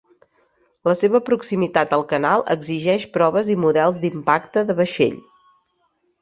La seva proximitat al canal exigeix proves i models d'impacte de vaixell.